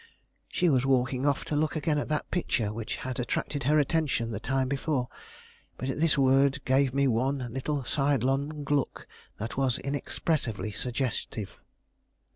She was walking off to look again at that picture which had attracted her attention the time before, but at this word gave me one little sidelong look that was inexpressibly suggestive.